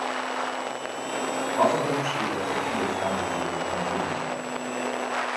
Außerdem schrieb er für viele Fernsehserien Drehbücher.